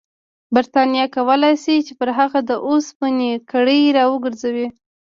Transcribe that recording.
برټانیه کولای شي پر هغه د اوسپنې کړۍ راوګرځوي.